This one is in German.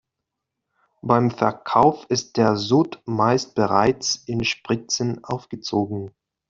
Beim Verkauf ist der Sud meist bereits in Spritzen aufgezogen.